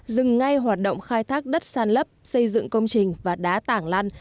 dừng ngay hoạt động khai thác đất sàn lấp xây dựng công trình và đá tảng lăn